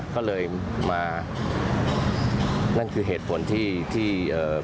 ก็เลยมานั่นคือเหตุผลที่